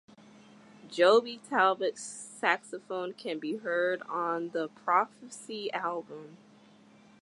Joby Talbot;s saxophone can be heard on The Prophecy album.